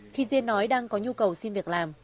khi diên nói đang có nhu cầu xin việc làm